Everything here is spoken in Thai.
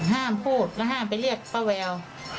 ห้ามพูดและห้ามไปเรียกป้าแวว